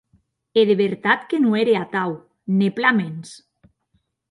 E de vertat que non ère atau, ne plan mens.